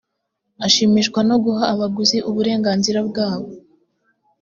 ashimishwa no guha abaguzi uburenganzira bwabo